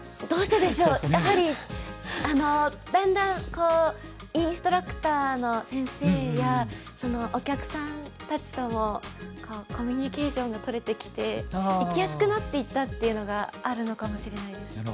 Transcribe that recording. やはりだんだんインストラクターの先生やお客さんたちともコミュニケーションが取れてきて行きやすくなっていったっていうのがあるのかもしれないです。